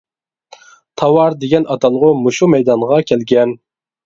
«تاۋار» دېگەن ئاتالغۇ مۇشۇ مەيدانغا كەلگەن.